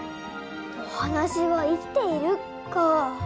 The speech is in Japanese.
「おはなしは生きている」か。